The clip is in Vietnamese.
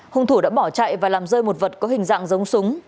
hung thủ đã bỏ chạy và làm rơi một vật có hình dạng giống súng